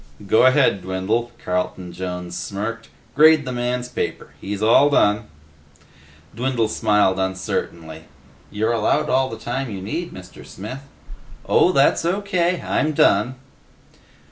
"Go ahead, Dwindle," Carlton Jones smirked. "Grade the man's paper. He's all done." Dwindle smiled uncertainly. "You're allowed all the time you need, Mr. Smith." "Oh, that's O.K. I'm done."